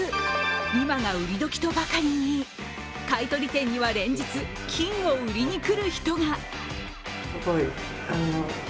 今が売り時とばかりに、買い取り店には連日、金を売りに来る人が。